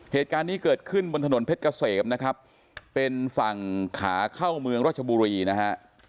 เหตุการณ์นี้เกิดขึ้นบนถนนเพชรเกษมนะครับเป็นฝั่งขาเข้าเมืองรัชบุรีนะฮะ